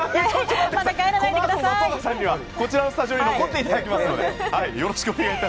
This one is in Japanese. このあと松岡さんにはこちらのスタジオに残っていただきますので。